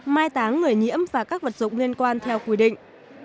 mai táng người nhiễm và các vật dụng liên quan theo quy định